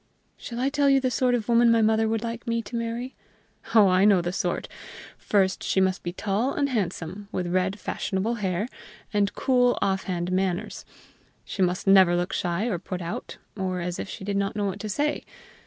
Shall I tell you the sort of woman my mother would like me to marry? Oh, I know the sort! First, she must be tall and handsome, with red, fashionable hair, and cool, offhand manners. She must never look shy or put out, or as if she did not know what to say.